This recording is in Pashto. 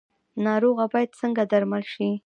ناروغه باید څنګه درمل شي؟